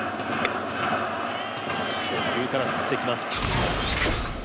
初球から振ってきます。